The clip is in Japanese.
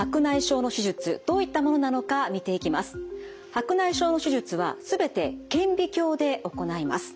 白内障の手術は全て顕微鏡で行います。